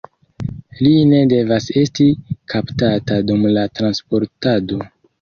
Li ne devas esti kaptata dum la transportado.